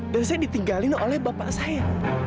dan saya ditinggalin oleh bapak saya